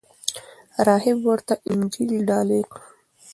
راهب ورته انجیل ډالۍ کړ.